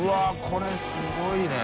舛これすごいね。